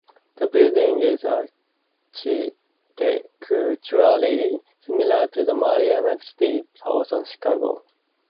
The building is architecturally similar to the Marina City towers in Chicago.